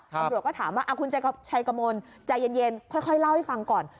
ตำรวจก็ถามว่าคุณชัยกระมวลใจเย็นค่อยเล่าให้ฟังก่อน